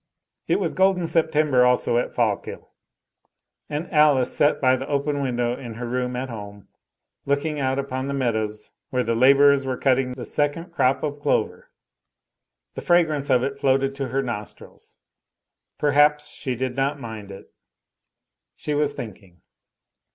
It was golden September also at Fallkill. And Alice sat by the open window in her room at home, looking out upon the meadows where the laborers were cutting the second crop of clover. The fragrance of it floated to her nostrils. Perhaps she did not mind it. She was thinking.